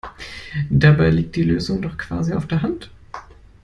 Dabei liegt die Lösung doch quasi auf der Hand!